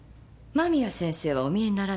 間宮先生はお見えにならないの？